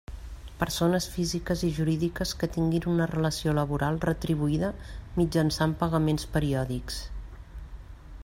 Persones físiques i jurídiques que tinguin una relació laboral retribuïda mitjançant pagaments periòdics.